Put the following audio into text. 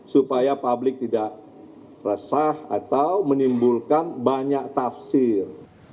supaya publik tidak resah atau menimbulkan banyak tafsir